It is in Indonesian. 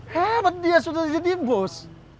hebat dia sudah jadi bos